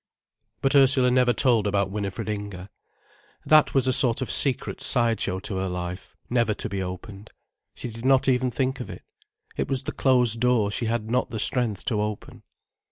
But Ursula never told about Winifred Inger. That was a sort of secret side show to her life, never to be opened. She did not even think of it. It was the closed door she had not the strength to open.